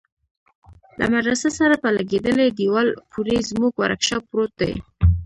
له مدرسه سره په لگېدلي دېوال پورې زموږ ورکشاپ پروت دى.